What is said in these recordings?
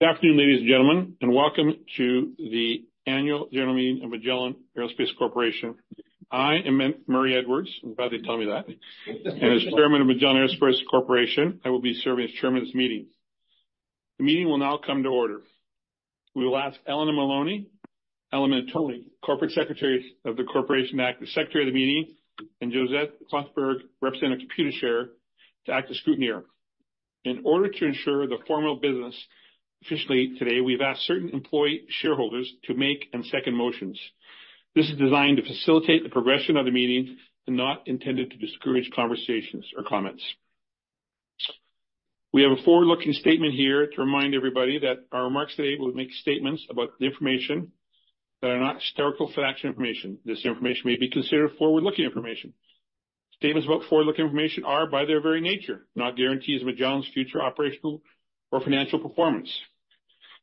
Good afternoon, ladies and gentlemen, and welcome to the Annual General Meeting of Magellan Aerospace Corporation. I am N. Murray Edwards. I'm glad they tell me that. And as chairman of Magellan Aerospace Corporation, I will be serving as chairman of this meeting. The meeting will now come to order. We will ask Elena M. Milantoni, corporate secretary of the corporation, to act as secretary of the meeting, and Josette Cuthbert, representative of Computershare, to act as scrutineer. In order to ensure the formal business officially today, we've asked certain employee shareholders to make and second motions. This is designed to facilitate the progression of the meeting and not intended to discourage conversations or comments. We have a forward-looking statement here to remind everybody that our remarks today will make statements about the information that are not historical factual information. This information may be considered forward-looking information. Statements about forward-looking information are, by their very nature, not guarantees of Magellan's future operational or financial performance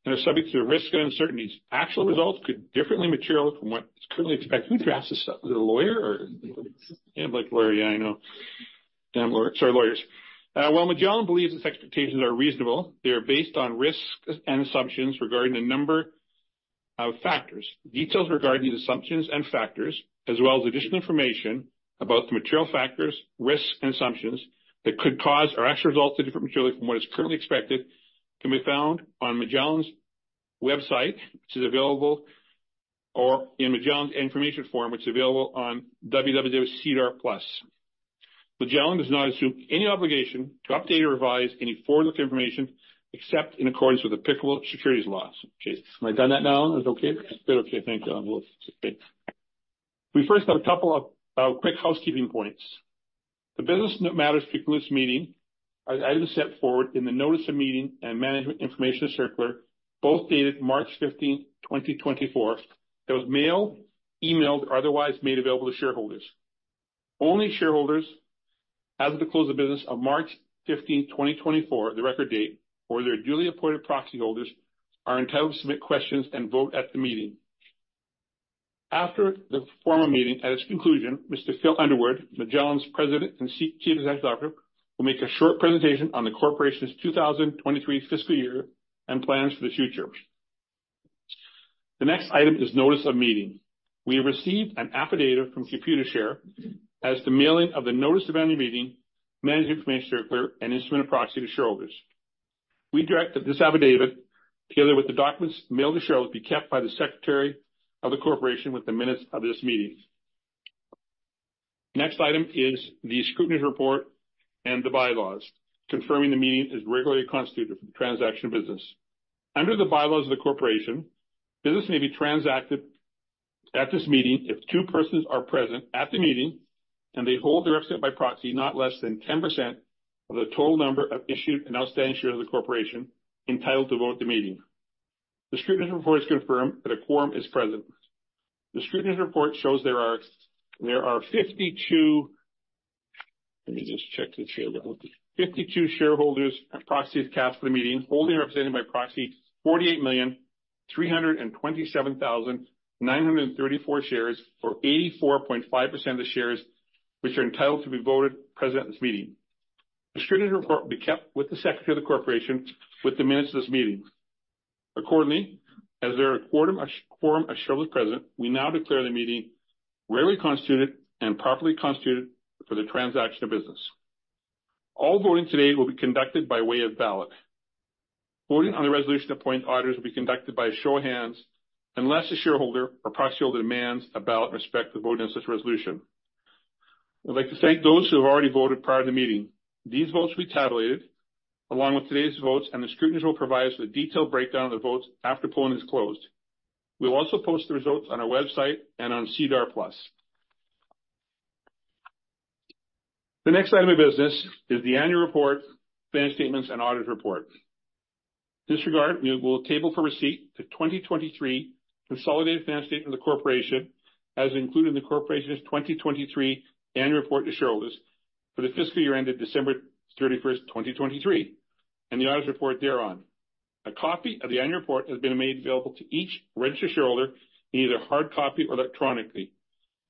and are subject to risk and uncertainties. Actual results could differ materially from what is currently expected. Can I ask this to the lawyer or? Yeah, like lawyer, yeah, I know. Damn lawyer, sorry, lawyers. While Magellan believes its expectations are reasonable, they are based on risks and assumptions regarding a number of factors. Details regarding these assumptions and factors, as well as additional information about the material factors, risks, and assumptions that could cause our actual results to differ materially from what is currently expected, can be found on Magellan's website, which is available, or in Magellan's information form, which is available on www.SEDAR+. Magellan does not assume any obligation to update or revise any forward-looking information, except in accordance with applicable securities laws. Okay. Am I done that now? Is it okay? It's good. Okay, thank you. We first have a couple of quick housekeeping points. The business matters for this meeting are, as set forward in the Notice of Meeting and Management Information Circular, both dated March 15, 2024. It was mailed, emailed, or otherwise made available to shareholders. Only shareholders as of the close of business on March 15, 2024, the record date, or their duly appointed proxy holders, are entitled to submit questions and vote at the meeting. After the formal meeting, at its conclusion, Mr. Phil Underwood, Magellan's President and Chief Executive Officer, will make a short presentation on the corporation's 2023 fiscal year and plans for the future. The next item is the Notice of Meeting. We have received an affidavit from Computershare as the mailing of the notice of annual meeting, management information circular, and instrument of proxy to shareholders. We direct that this affidavit, together with the documents mailed to shareholders, be kept by the Secretary of the Corporation with the minutes of this meeting. Next item is the scrutineer report and the bylaws, confirming the meeting is regularly constituted for the transaction of business. Under the bylaws of the corporation, business may be transacted at this meeting if two persons are present at the meeting and they hold, their represented by proxy, not less than 10% of the total number of issued and outstanding shares of the corporation entitled to vote at the meeting. The scrutineer report has confirmed that a quorum is present. The scrutineer report shows there are 52... Let me just check this here. 52 shareholders and proxies present for the meeting, holding or represented by proxy 48,327,934 shares, or 84.5% of the shares, which are entitled to be voted present at this meeting. The scrutineer report will be kept with the secretary of the Corporation with the minutes of this meeting. Accordingly, as there are a quorum, a quorum of shareholders present, we now declare the meeting regularly constituted and properly constituted for the transaction of business. All voting today will be conducted by way of ballot. Voting on the resolution to appoint auditors will be conducted by a show of hands, unless the shareholder or proxyholder demands a ballot in respect to voting on such resolution. I'd like to thank those who have already voted prior to the meeting. These votes will be tabulated, along with today's votes, and the scrutineer will provide us with a detailed breakdown of the votes after polling is closed. We'll also post the results on our website and on SEDAR+. The next item of business is the annual report, financial statements, and audit report. In this regard, we will table for receipt the 2023 consolidated financial statement of the Corporation, as included in the Corporation's 2023 annual report to shareholders for the fiscal year ended December 31, 2023, and the audit report thereon. A copy of the annual report has been made available to each registered shareholder in either hard copy or electronically.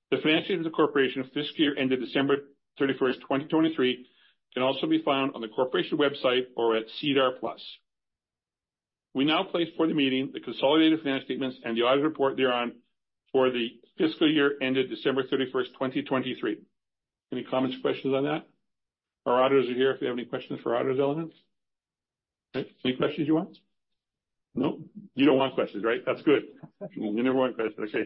The financial statement of the corporation of fiscal year ended December 31, 2023, can also be found on the corporation website or at SEDAR+. We now place before the meeting the consolidated financial statements and the audit report thereon for the fiscal year ended December 31, 2023. Any comments or questions on that? Our auditors are here if you have any questions for our auditors, gentlemen. Any questions you want? No. You don't want questions, right? That's good. You never want questions. Okay.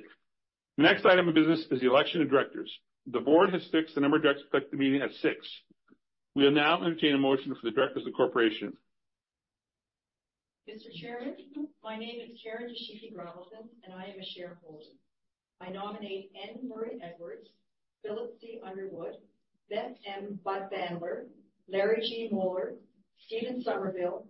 The next item of business is the election of directors. The board has fixed the number of directors at the meeting at six. We will now entertain a motion for the directors of the corporation. Mr. Chairman, my name is Karen Yoshiki-Gravelsins, and I am a shareholder. I nominate N. Murray Edwards, Phillip C. Underwood, Beth M. Bandler, Larry G. Moeller, Steven Somerville,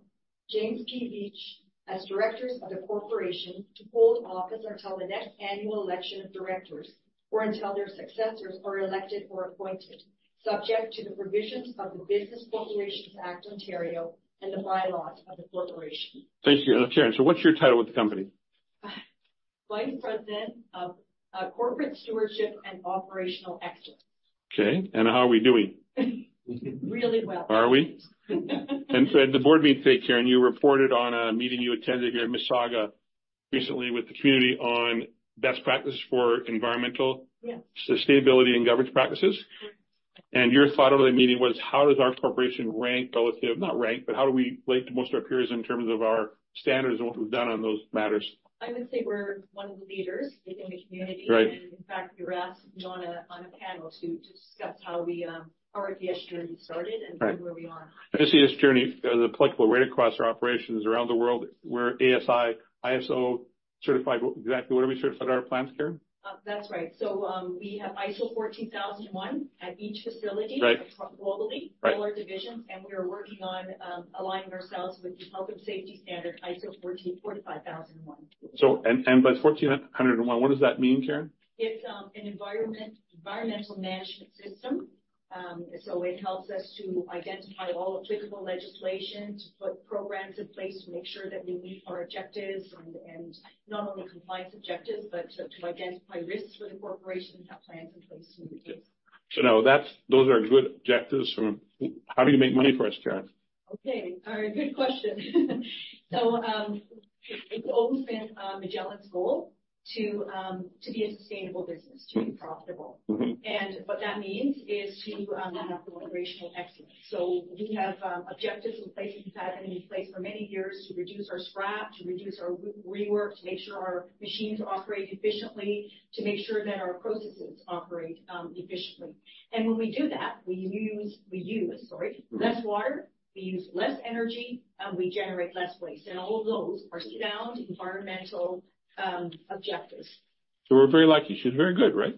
James P. Veitch, as directors of the corporation to hold office until the next annual election of directors or until their successors are elected or appointed, subject to the provisions of the Business Corporations Act, Ontario, and the bylaws of the corporation. Thank you, Karen. So what's your title with the company?... Vice President of Corporate Stewardship and Operational Excellence. Okay, and how are we doing? Really well. Are we? And so at the board meeting, Karen, you reported on a meeting you attended here in Mississauga recently with the community on best practice for environmental- Yes. sustainability and governance practices. Your thought of the meeting was: How does our corporation rank relative, not rank, but how do we relate to most of our peers in terms of our standards and what we've done on those matters? I would say we're one of the leaders in the community. Right. In fact, we were asked to go on a panel to discuss how we, how our ESG journey started- Right. where we are. I see this journey as applicable right across our operations around the world. We're AS9100, ISO certified. Exactly, what are we certified at our plants, Karen? That's right. So, we have ISO 14001 at each facility- Right. across globally Right. all our divisions, and we are working on aligning ourselves with the health and safety standard, ISO 45001. So, 1401, what does that mean, Karen? It's an environmental management system. So it helps us to identify all applicable legislation, to put programs in place to make sure that we meet our objectives and, and not only compliance objectives, but to, to identify risks for the corporation and have plans in place to meet them. So now, that's, those are good objectives from... How do you make money for us, Karen? Okay. All right, good question. So, it's always been, Magellan's goal to, to be a sustainable business, to be profitable. Mm-hmm. What that means is to have operational excellence. We have objectives in place. We've had them in place for many years, to reduce our scrap, to reduce our rework, to make sure our machines operate efficiently, to make sure that our processes operate efficiently. When we do that, we use less water, we use less energy, and we generate less waste. All of those are sound environmental objectives. So we're very lucky. She's very good, right?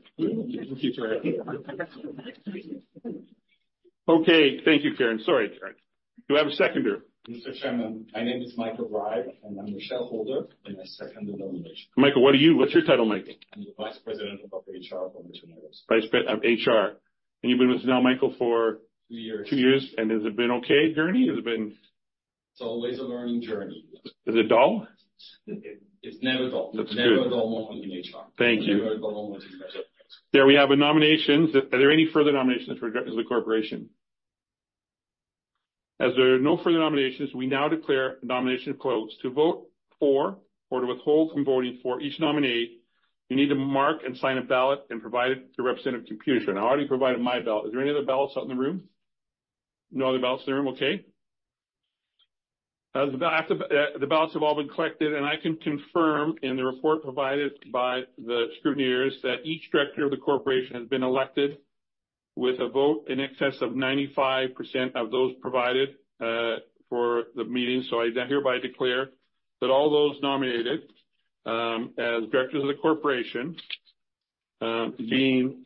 Okay. Thank you, Karen. Sorry, Karen. Do I have a seconder? Mr. Chairman, my name is Michael Bryde, and I'm the shareholder, and I second the nomination. Michael, what are you? What's your title, Michael? I'm the Vice President of HR for Magellan. Vice President, HR. And you've been with us now, Michael, for? Two years. Two years. And has it been okay journey? Has it been- It's always a learning journey. Is it dull? It's never dull. That's good. It's never a dull moment in HR. Thank you. It's never a dull moment. There we have a nomination. Is there any further nominations with regards to the corporation? As there are no further nominations, we now declare the nomination closed. To vote for or to withhold from voting for each nominee, you need to mark and sign a ballot and provide it to the Computershare representative. I already provided my ballot. Is there any other ballots out in the room? No other ballots in the room. Okay. As the ballots have all been collected, and I can confirm in the report provided by the scrutineers that each director of the corporation has been elected with a vote in excess of 95% of those provided for the meeting. So I hereby declare that all those nominated as directors of the corporation, being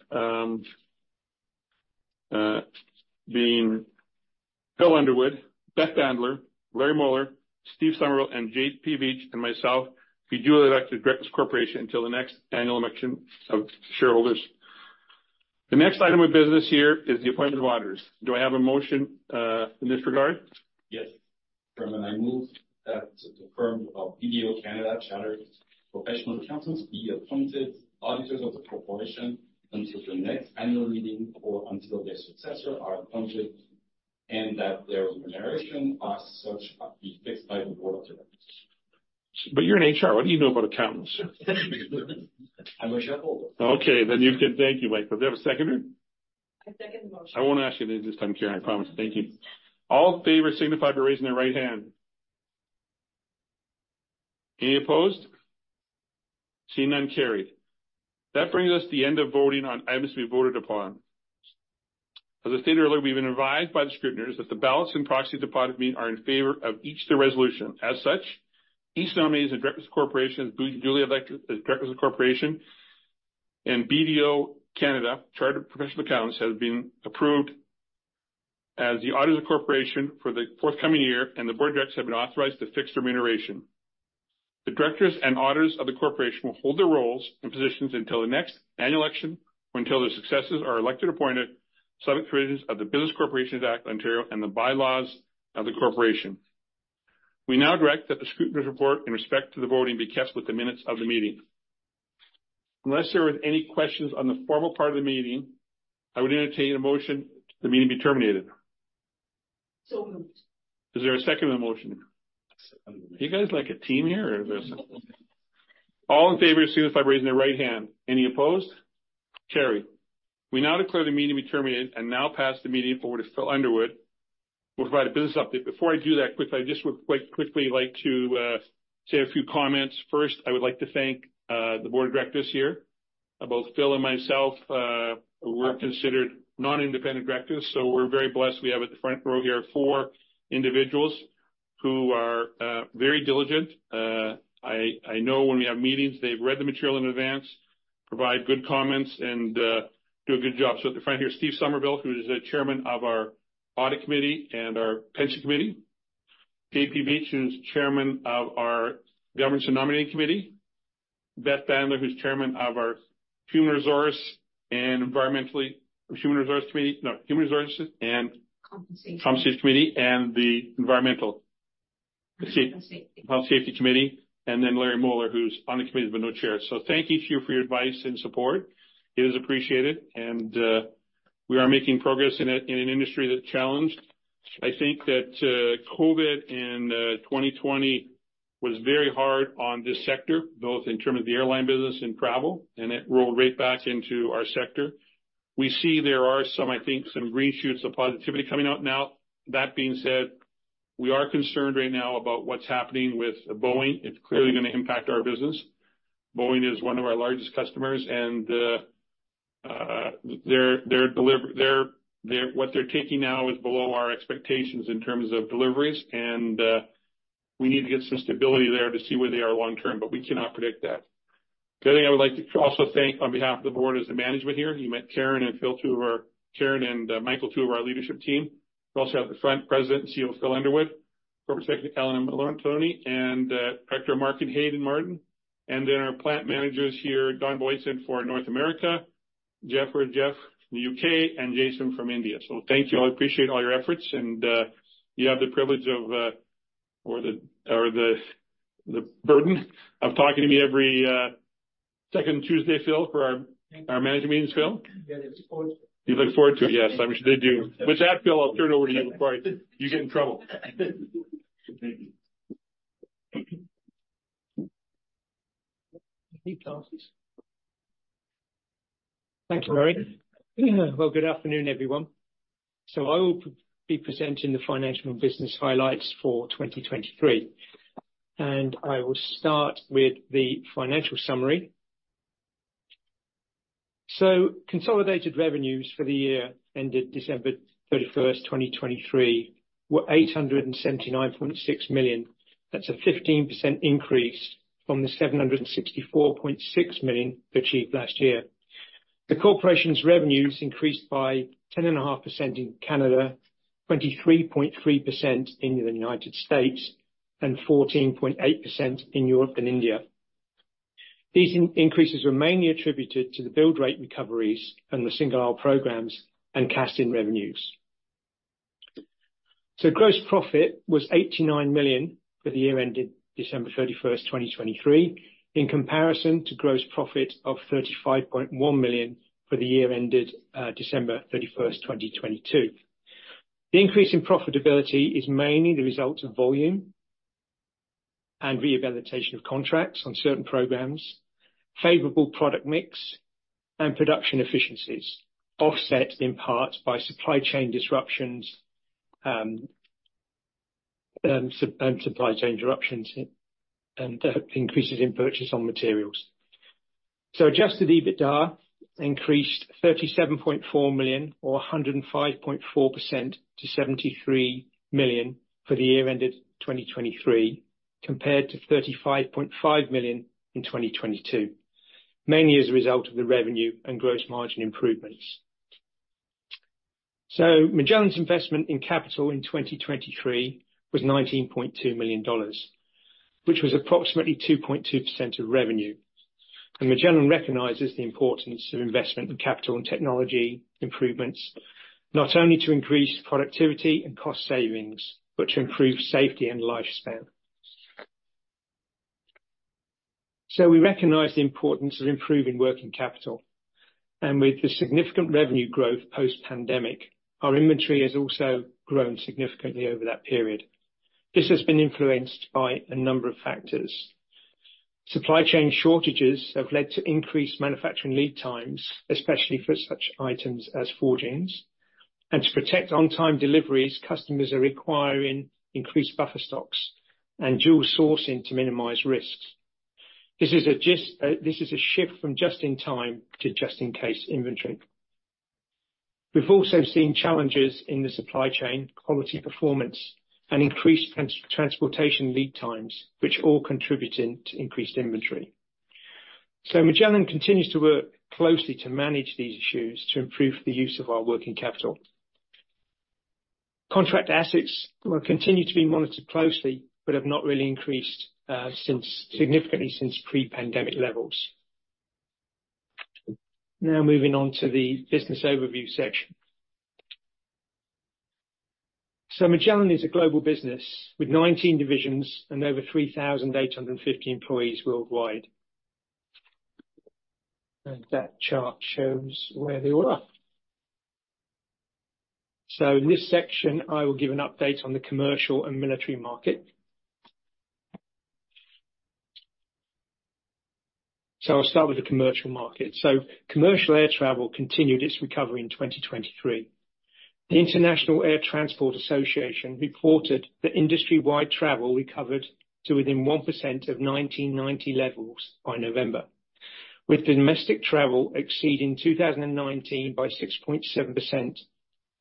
Phil Underwood, Beth Bandler, Larry Moeller, Steve Somerville, and J.P. Veitch, and myself, be duly elected directors of the corporation until the next annual election of shareholders. The next item of business here is the appointment of auditors. Do I have a motion in this regard? Yes. Chairman, I move to confirm BDO Canada Chartered Professional Accountants be appointed auditors of the corporation until the next annual meeting or until their successors are appointed, and that their remuneration as such are to be fixed by the board of directors. But you're in HR. What do you know about accountants? I'm a shareholder. Okay, then you can... Thank you, Michael. Do we have a seconder? I second the motion. I won't ask you this time, Karen, I promise. Thank you. All in favor, signify by raising their right hand. Any opposed? Seeing none, carried. That brings us to the end of voting on items to be voted upon. As I stated earlier, we've been advised by the scrutineers that the ballots and proxies deposited with me are in favor of each of the resolutions. As such, each nominee is a director of the corporation, is duly elected as a director of the corporation, and BDO Canada, Chartered Professional Accountants, has been approved as the auditors of the corporation for the forthcoming year, and the board of directors has been authorized to fix the remuneration. The directors and auditors of the corporation will hold their roles and positions until the next annual election or until the successors are elected, appointed, subject to the provisions of the Business Corporations Act, Ontario, and the bylaws of the corporation. We now direct that the scrutineers' report in respect to the voting, be kept with the minutes of the meeting. Unless there are any questions on the formal part of the meeting, I would entertain a motion, the meeting be terminated. So moved. Is there a second to the motion? Second. You guys are like a team here or there's...? All in favor, signify by raising their right hand. Any opposed? Carried. We now declare the meeting be terminated and now pass the meeting forward to Phil Underwood, who will provide a business update. Before I do that, quickly, I just would quite quickly like to say a few comments. First, I would like to thank the board of directors here. Both Phil and myself, we're considered non-independent directors, so we're very blessed. We have at the front row here four individuals who are very diligent. I know when we have meetings, they've read the material in advance, provide good comments, and do a good job. So at the front here, Steve Somerville, who is the chairman of our Audit Committee and our Pension Committee. P. Veitch, who's chairman of our Governance and Nominating Committee. Beth M. Bandler, who's chairman of our Human Resources and- Compensation. Compensation Committee, and the environmental- Health and safety. Health Safety Committee, and then Larry Moeller, who's on the committee, but no chair. So thank you to you for your advice and support. It is appreciated, and we are making progress in an industry that's challenged. I think that COVID in 2020 was very hard on this sector, both in terms of the airline business and travel, and it rolled right back into our sector. We see there are some, I think, some green shoots of positivity coming out now. That being said, we are concerned right now about what's happening with Boeing. It's clearly gonna impact our business. Boeing is one of our largest customers, and their what they're taking now is below our expectations in terms of deliveries, and we need to get some stability there to see where they are long-term, but we cannot predict that. The other thing I would like to also thank on behalf of the board is the management here. You met Karen and Phil, Karen and Michael, two of our leadership team. We also have our President and CEO, Phil Underwood; corporate secretary, Elena Milantoni; and Director of Marketing, Haydn Martin; and then our plant managers here, Don Boitson for North America, Jeff Kennelly from the U.K., and Jason Addis from India. So thank you all. I appreciate all your efforts, and you have the privilege of or the burden of talking to me every second Tuesday, Phil, for our- Thank you. - our management meetings, Phil? Yeah, I look forward to it. You look forward to it, yes. I'm sure they do. With that, Phil, I'll turn it over to you before you get in trouble. Thank you. Thank you, Larry. Well, good afternoon, everyone. So I will be presenting the financial and business highlights for 2023, and I will start with the financial summary. So consolidated revenues for the year ended December 31, 2023, were $879.6 million. That's a 15% increase from the $764.6 million achieved last year. The corporation's revenues increased by 10.5% in Canada, 23.3% in the United States, and 14.8% in Europe and India. These increases were mainly attributed to the build rate recoveries and the single aisle programs and casting revenues. So gross profit was $89 million for the year ended December 31, 2023, in comparison to gross profit of $35.1 million for the year ended December 31, 2022. The increase in profitability is mainly the result of volume and rehabilitation of contracts on certain programs, favorable product mix, and production efficiencies, offset in part by supply chain disruptions and increases in purchases of materials. Adjusted EBITDA increased $37.4 million or 105.4% to $73 million for the year ended 2023, compared to $35.5 million in 2022, mainly as a result of the revenue and gross margin improvements. Magellan's investment in capital in 2023 was $19.2 million, which was approximately 2.2% of revenue. Magellan recognizes the importance of investment in capital and technology improvements, not only to increase productivity and cost savings, but to improve safety and lifespan. So we recognize the importance of improving working capital, and with the significant revenue growth post-pandemic, our inventory has also grown significantly over that period. This has been influenced by a number of factors. Supply chain shortages have led to increased manufacturing lead times, especially for such items as forgings. And to protect on-time deliveries, customers are requiring increased buffer stocks and dual sourcing to minimize risks. This is a just, this is a shift from just-in-time to just-in-case inventory. We've also seen challenges in the supply chain, quality, performance and increased transportation lead times, which all contributed to increased inventory. So Magellan continues to work closely to manage these issues, to improve the use of our working capital. Contract assets will continue to be monitored closely, but have not really increased, significantly since pre-pandemic levels. Now, moving on to the business overview section. Magellan is a global business with 19 divisions and over 3,850 employees worldwide. That chart shows where they all are. In this section, I will give an update on the commercial and military market. I'll start with the commercial market. Commercial air travel continued its recovery in 2023. The International Air Transport Association reported that industry-wide travel recovered to within 1% of 2019 levels by November, with domestic travel exceeding 2019 by 6.7%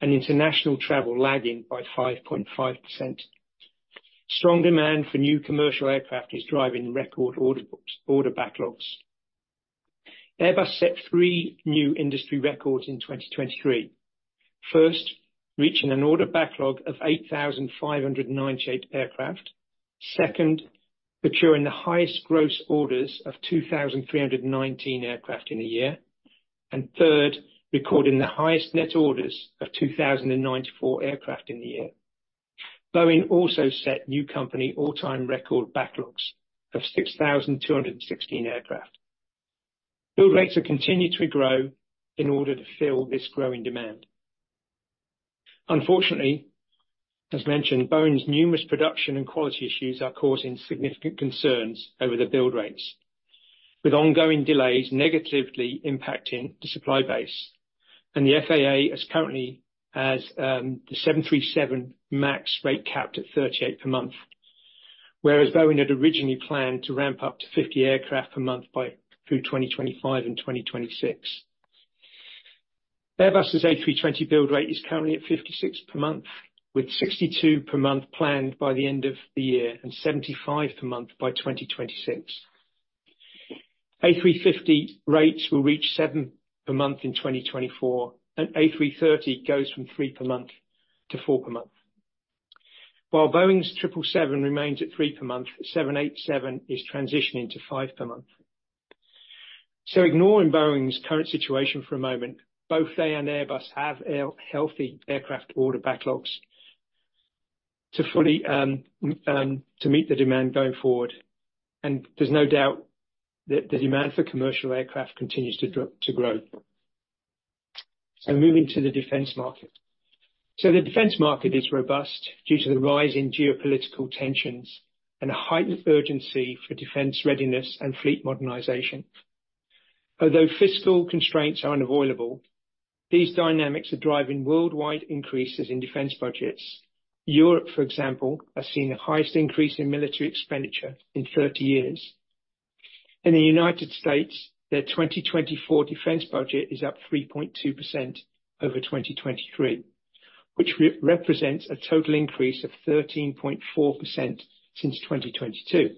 and international travel lagging by 5.5%. Strong demand for new commercial aircraft is driving record order books, order backlogs. Airbus set three new industry records in 2023. First, reaching an order backlog of 8,598 aircraft. Second, procuring the highest gross orders of 2,319 aircraft in a year. And third, recording the highest net orders of 2,094 aircraft in the year. Boeing also set new company all-time record backlogs of 6,216 aircraft. Build rates are continuing to grow in order to fill this growing demand. Unfortunately, as mentioned, Boeing's numerous production and quality issues are causing significant concerns over the build rates, with ongoing delays negatively impacting the supply base. And the FAA is currently as, the 737 MAX rate capped at 38 per month, whereas Boeing had originally planned to ramp up to 50 aircraft per month by, through 2025 and 2026. Airbus's A320 build rate is currently at 56 per month, with 62 per month planned by the end of the year, and 75 per month by 2026. A350 rates will reach 7 per month in 2024, and A330 goes from 3 per month to 4 per month. While Boeing's 777 remains at 3 per month, 787 is transitioning to 5 per month. So ignoring Boeing's current situation for a moment, both they and Airbus have a healthy aircraft order backlogs to fully to meet the demand going forward, and there's no doubt that the demand for commercial aircraft continues to grow. So moving to the defense market. The defense market is robust due to the rise in geopolitical tensions and a heightened urgency for defense readiness and fleet modernization. Although fiscal constraints are unavoidable, these dynamics are driving worldwide increases in defense budgets. Europe, for example, has seen the highest increase in military expenditure in 30 years. In the United States, their 2024 defense budget is up 3.2% over 2023, which represents a total increase of 13.4% since 2022.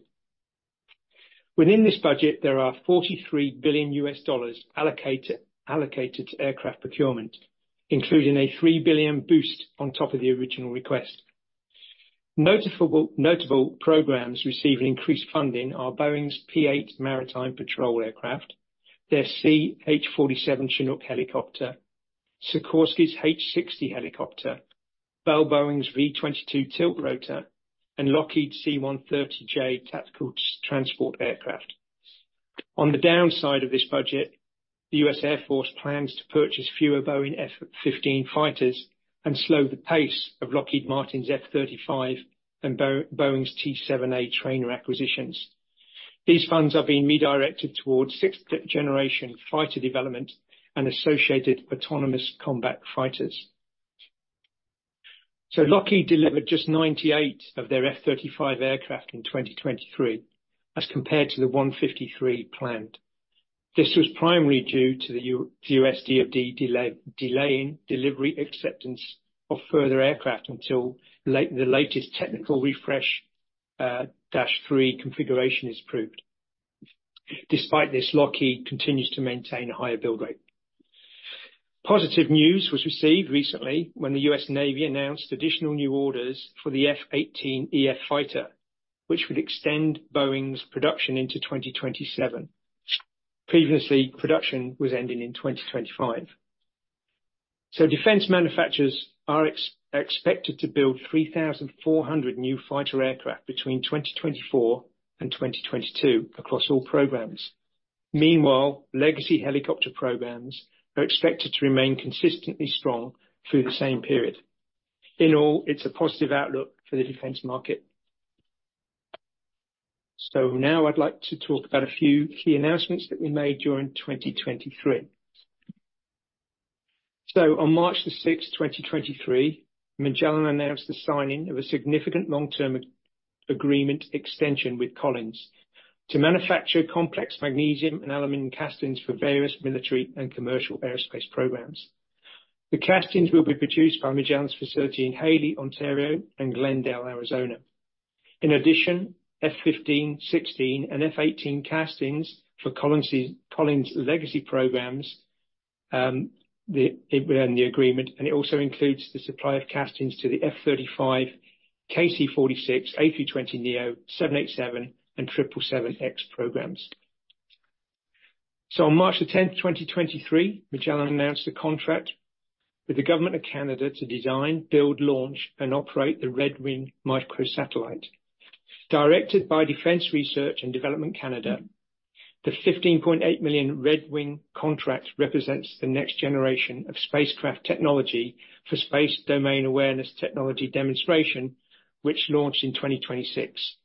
Within this budget, there are $43 billion allocated to aircraft procurement, including a $3 billion boost on top of the original request. Notable programs receiving increased funding are Boeing's P-8 Maritime Patrol Aircraft, their CH-47 Chinook helicopter, Sikorsky's H-60 helicopter, Bell Boeing's V-22 Tiltrotor, and Lockheed C-130J Tactical Transport Aircraft. On the downside of this budget, the U.S. Air Force plans to purchase fewer Boeing F-15 fighters and slow the pace of Lockheed Martin's F-35 and Boeing's T-7A trainer acquisitions. These funds are being redirected towards sixth generation fighter development and associated autonomous combat fighters. So Lockheed delivered just 98 of their F-35 aircraft in 2023, as compared to the 153 planned. This was primarily due to the U.S. DoD delay, delaying delivery acceptance of further aircraft until late, the latest TR-3 configuration is approved. Despite this, Lockheed continues to maintain a higher build rate. Positive news was received recently when the U.S. Navy announced additional new orders for the F/A-18E/F fighter, which would extend Boeing's production into 2027. Previously, production was ending in 2025. Defense manufacturers are expected to build 3,400 new fighter aircraft between 2024 and 2022 across all programs. Meanwhile, legacy helicopter programs are expected to remain consistently strong through the same period. In all, it's a positive outlook for the defense market. Now I'd like to talk about a few key announcements that we made during 2023. So on March the sixth, 2023, Magellan announced the signing of a significant long-term agreement extension with Collins to manufacture complex magnesium and aluminum castings for various military and commercial aerospace programs. The castings will be produced by Magellan's facility in Haley, Ontario, and Glendale, Arizona. In addition, F-15, 16, and F-18 castings for Collins legacy programs were in the agreement, and it also includes the supply of castings to the F-35, KC-46, A320neo, 787, and 777X programs. So on March the tenth, 2023, Magellan announced a contract with the government of Canada to design, build, launch, and operate the Redwing microsatellite. Directed by Defence Research and Development Canada, the $15.8 million Redwing contract represents the next generation of spacecraft technology for space domain awareness technology demonstration, which launched in 2026.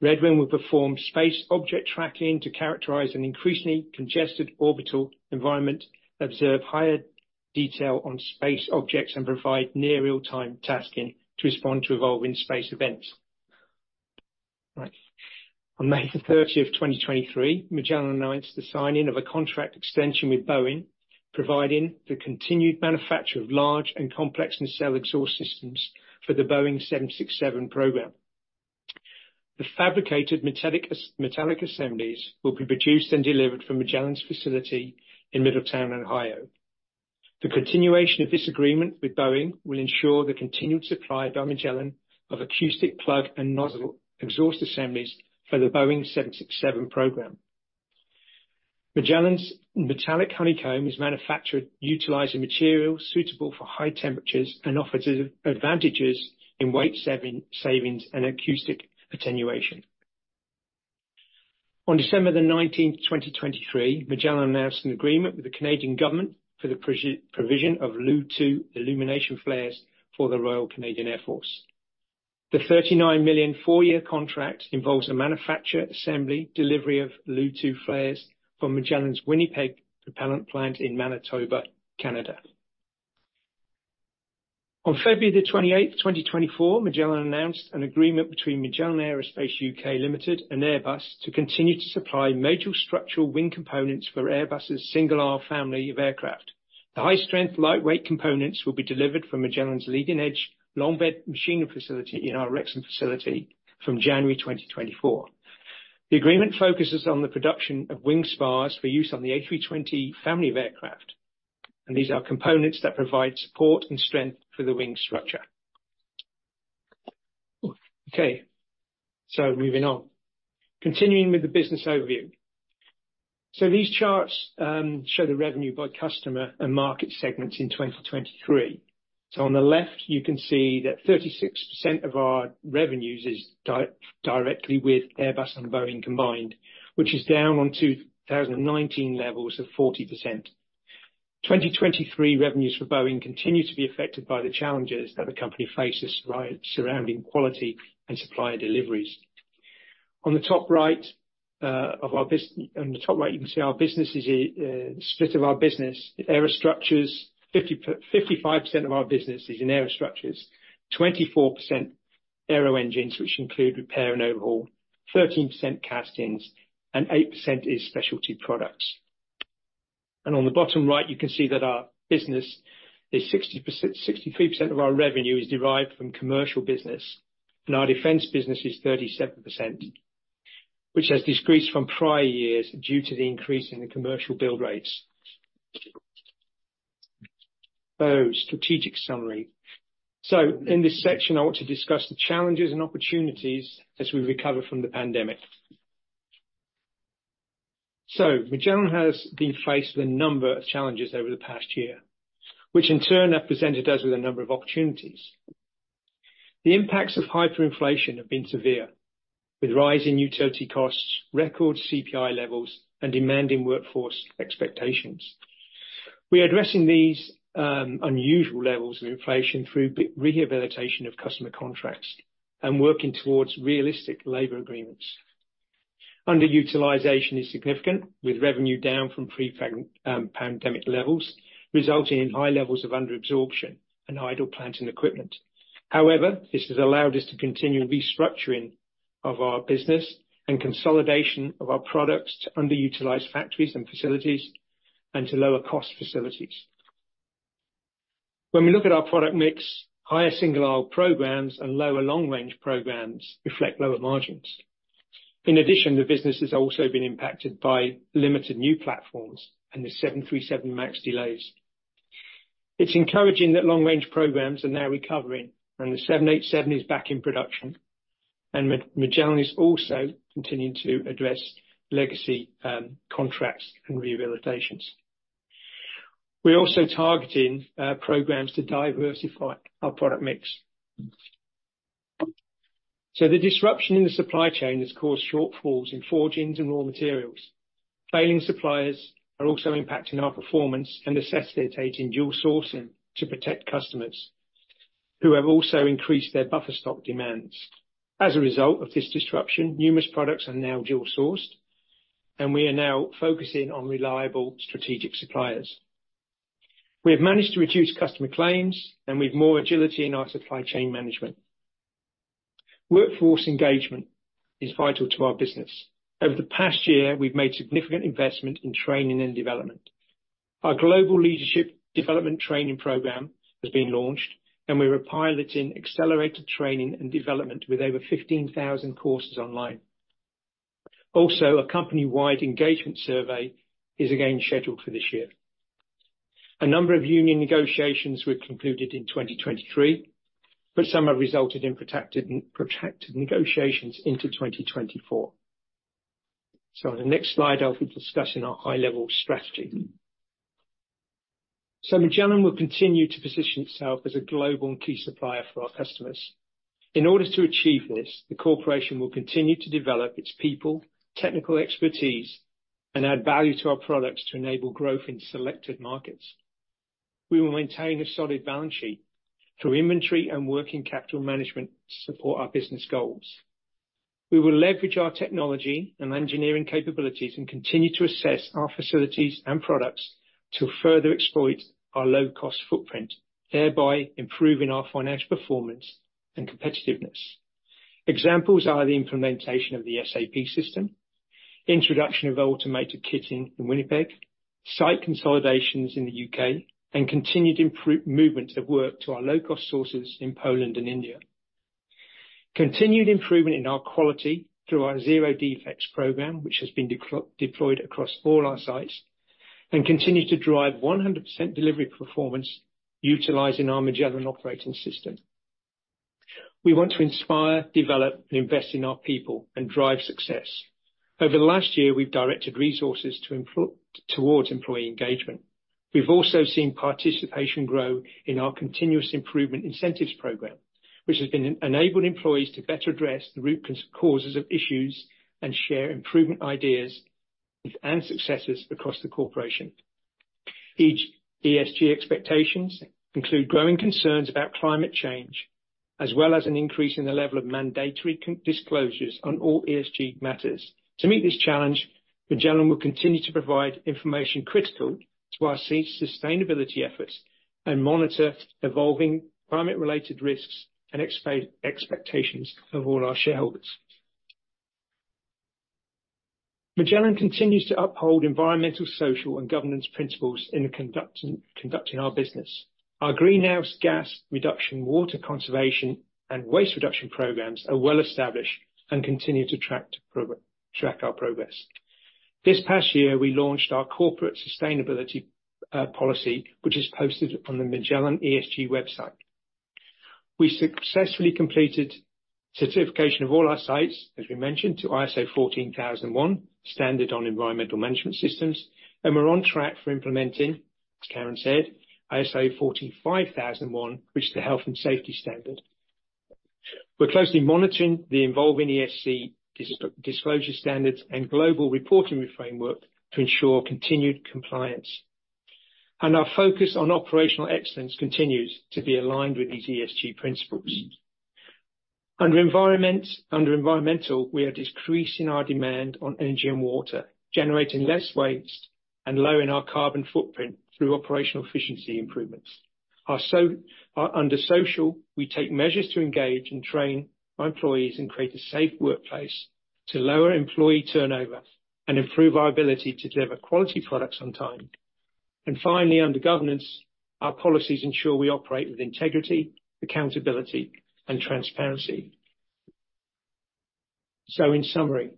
Redwing will perform space object tracking to characterize an increasingly congested orbital environment, observe higher detail on space objects, and provide near real-time tasking to respond to evolving space events. Right. On May the thirteenth, 2023, Magellan announced the signing of a contract extension with Boeing, providing the continued manufacture of large and complex nacelle exhaust systems for the Boeing 767 program. The fabricated metallic assemblies will be produced and delivered from Magellan's facility in Middletown, Ohio. The continuation of this agreement with Boeing will ensure the continued supply by Magellan of acoustic plug and nozzle exhaust assemblies for the Boeing 767 program. Magellan's metallic honeycomb is manufactured utilizing materials suitable for high temperatures, and offers advantages in weight savings and acoustic attenuation. On December the nineteenth, 2023, Magellan announced an agreement with the Canadian government for the provision of LUU-2 illumination flares for the Royal Canadian Air Force. The $39 million, 4-year contract involves the manufacture, assembly, delivery of LUU-2 flares from Magellan's Winnipeg propellant plant in Manitoba, Canada. On February 28th, 2024, Magellan announced an agreement between Magellan Aerospace U.K. Limited and Airbus, to continue to supply major structural wing components for Airbus's Single Aisle family of aircraft. The high-strength, lightweight components will be delivered from Magellan's leading-edge, long bed machining facility in our Wrexham facility from January 2024. The agreement focuses on the production of wing spars for use on the A320 family of aircraft, and these are components that provide support and strength for the wing structure. Okay, so moving on. Continuing with the business overview. These charts show the revenue by customer and market segments in 2023. On the left, you can see that 36% of our revenues is directly with Airbus and Boeing combined, which is down on 2019 levels of 40%. 2023 revenues for Boeing continue to be affected by the challenges that the company faces surrounding quality and supplier deliveries. On the top right, you can see our businesses split of our business. Aerostructures, 55% of our business is in Aerostructures. 24% Aero Engines, which include repair and overhaul, 13% Castings, and 8% is Specialty Products. On the bottom right, you can see that our business is 60%—63% of our revenue is derived from commercial business, and our defense business is 37%, which has decreased from prior years due to the increase in the commercial build rates. So, strategic summary. So in this section, I want to discuss the challenges and opportunities as we recover from the pandemic. So Magellan has been faced with a number of challenges over the past year, which in turn, have presented us with a number of opportunities. The impacts of hyperinflation have been severe, with rising utility costs, record CPI levels, and demanding workforce expectations. We are addressing these unusual levels of inflation through rehabilitation of customer contracts, and working towards realistic labor agreements. Underutilization is significant, with revenue down from pre-pandemic levels, resulting in high levels of under absorption and idle plant and equipment. However, this has allowed us to continue restructuring of our business and consolidation of our products to underutilized factories and facilities, and to lower cost facilities. When we look at our product mix, higher Single Aisle programs and lower long range programs reflect lower margins. In addition, the business has also been impacted by limited new platforms and the 737 MAX delays. It's encouraging that long range programs are now recovering, and the 787 is back in production, and Magellan is also continuing to address legacy contracts and rehabilitations. We're also targeting programs to diversify our product mix. So the disruption in the supply chain has caused shortfalls in forgings and raw materials. Failing suppliers are also impacting our performance and necessitating dual sourcing to protect customers, who have also increased their buffer stock demands. As a result of this disruption, numerous products are now dual sourced, and we are now focusing on reliable strategic suppliers. We have managed to reduce customer claims, and we have more agility in our supply chain management. Workforce engagement is vital to our business. Over the past year, we've made significant investment in training and development. Our global leadership development training program has been launched, and we are piloting accelerated training and development with over 15,000 courses online. Also, a company-wide engagement survey is again scheduled for this year. A number of union negotiations were concluded in 2023, but some have resulted in protracted negotiations into 2024. On the next slide, I'll be discussing our high-level strategy. So Magellan will continue to position itself as a global and key supplier for our customers. In order to achieve this, the corporation will continue to develop its people, technical expertise, and add value to our products to enable growth in selected markets. We will maintain a solid balance sheet through inventory and working capital management to support our business goals. We will leverage our technology and engineering capabilities, and continue to assess our facilities and products to further exploit our low-cost footprint, thereby improving our financial performance and competitiveness. Examples are the implementation of the SAP system, introduction of automated kitting in Winnipeg, site consolidations in the U.K., and continued movement of work to our low-cost sources in Poland and India. Continued improvement in our quality through our Zero Defects program, which has been deployed across all our sites, and continued to drive 100% delivery performance utilizing our Magellan Operating System. We want to inspire, develop, and invest in our people and drive success. Over the last year, we've directed resources towards employee engagement. We've also seen participation grow in our continuous improvement incentives program, which has been enabling employees to better address the root causes of issues and share improvement ideas and successes across the corporation. Each ESG expectations include growing concerns about climate change, as well as an increase in the level of mandatory disclosures on all ESG matters. To meet this challenge, Magellan will continue to provide information critical to our sustainability efforts and monitor evolving climate-related risks and expectations of all our shareholders. Magellan continues to uphold environmental, social, and governance principles in the conducting our business. Our greenhouse gas reduction, water conservation, and waste reduction programs are well-established and continue to track our progress. This past year, we launched our corporate sustainability policy, which is posted on the Magellan ESG website. We successfully completed certification of all our sites, as we mentioned, to ISO 14001 standard on environmental management systems, and we're on track for implementing, as Karen said, ISO 45001, which is the health and safety standard. We're closely monitoring the evolving ESG disclosure standards and global reporting framework to ensure continued compliance. Our focus on operational excellence continues to be aligned with these ESG principles. Under environmental, we are decreasing our demand on energy and water, generating less waste, and lowering our carbon footprint through operational efficiency improvements. Under social, we take measures to engage and train our employees and create a safe workplace to lower employee turnover and improve our ability to deliver quality products on time. And finally, under governance, our policies ensure we operate with integrity, accountability, and transparency. So in summary,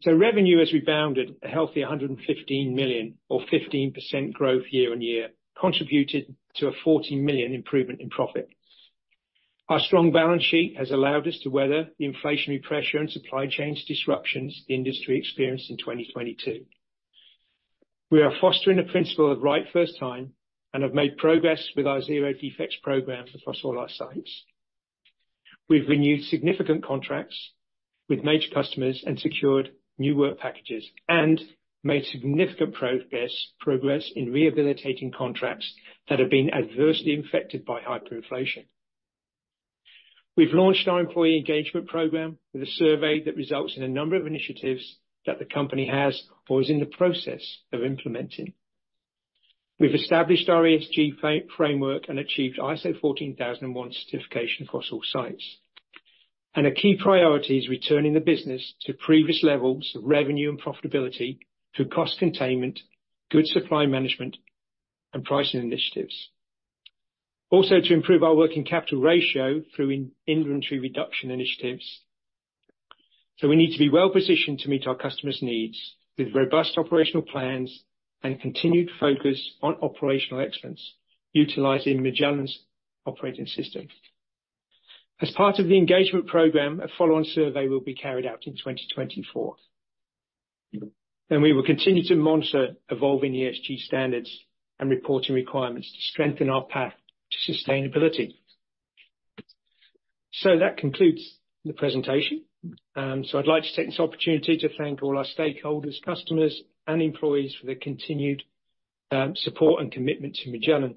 so revenue has rebounded a healthy $115 million or 15% growth year-on-year, contributed to a $40 million improvement in profit. Our strong balance sheet has allowed us to weather the inflationary pressure and supply chains disruptions the industry experienced in 2022. We are fostering a principle of right first time, and have made progress with our zero defects program across all our sites. We've renewed significant contracts with major customers and secured new work packages, and made significant progress in rehabilitating contracts that have been adversely affected by hyperinflation. We've launched our employee engagement program with a survey that results in a number of initiatives that the company has or is in the process of implementing. We've established our ESG framework and achieved ISO 14001 certification across all sites. And a key priority is returning the business to previous levels of revenue and profitability through cost containment, good supply management, and pricing initiatives. Also, to improve our working capital ratio through inventory reduction initiatives. So we need to be well-positioned to meet our customers' needs with robust operational plans and continued focus on operational excellence, utilizing Magellan's Operating System. As part of the engagement program, a follow-on survey will be carried out in 2024, and we will continue to monitor evolving ESG standards and reporting requirements to strengthen our path to sustainability. So that concludes the presentation. So I'd like to take this opportunity to thank all our stakeholders, customers, and employees for their continued support and commitment to Magellan.